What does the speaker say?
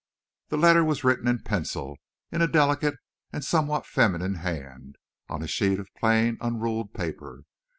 The letter was written in pencil, in a delicate and somewhat feminine hand, on a sheet of plain, unruled paper.